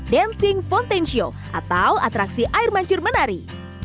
dancing fontaincio atau atraksi air mancur menari